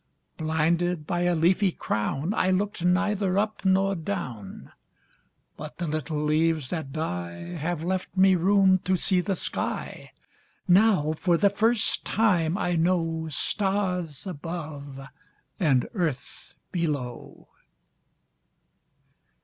Blinded by a leafy crownI looked neither up nor down—But the little leaves that dieHave left me room to see the sky; Now for the first time I knowStars above and earth below.